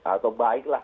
atau baik lah